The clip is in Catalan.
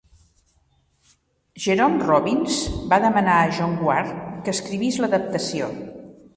Jerome Robbins va demanar a John Guare que escrivís l'adaptació.